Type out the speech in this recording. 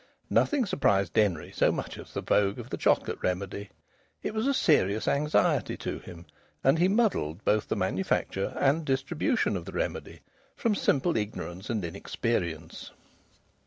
Nothing surprised Denry so much as the vogue of the Chocolate Remedy. It was a serious anxiety to him, and he muddled both the manufacture and distribution of the remedy, from simple ignorance and inexperience.